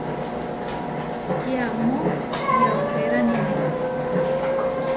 Kiamó yauheránine.